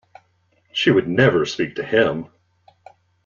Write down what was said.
She would never speak to him!!